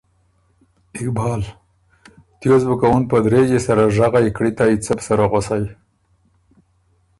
اقبال: تیوس بُو که اُن په درېجي سره ژغئ، کړِتئ، څه بو سره غؤسئ؟